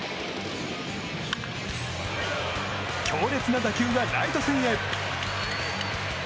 強烈な打球がライト線へ。